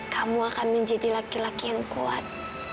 kamu akan menjadi laki laki yang kuat